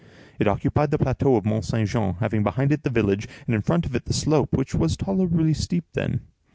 It occupied the plateau of Mont Saint Jean, having behind it the village, and in front of it the slope, which was tolerably steep then.